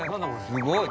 すごい。